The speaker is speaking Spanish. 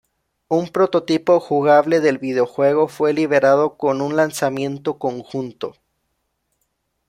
Un prototipo jugable del videojuego fue liberado con un lanzamiento conjunto.